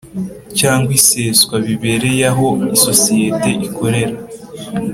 Cyangwa iseswa bibereye aho isosiyete ikorera